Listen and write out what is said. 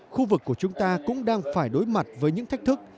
khu vực của chúng ta cũng đang phải đối mặt với những thách thức